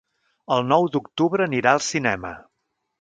El nou d'octubre anirà al cinema.